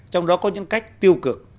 trong đó có những cách tiêu cực